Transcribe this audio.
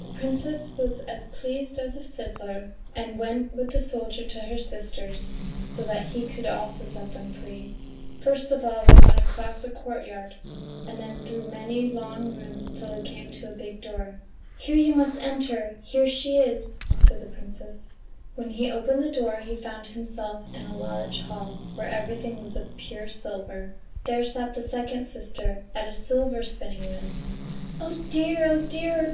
The Princess was as pleased as a fiddler, and went with the soldier to her sisters, so that he could also set them free. First of all they went across a courtyard and then through many long rooms till they came to a big door. "Here you must enter: here she is," said the Princess. When he opened the door he found himself in a large hall, where everything was of pure silver; there sat the second sister at a silver spinning wheel. "Oh, dear; oh, dear!"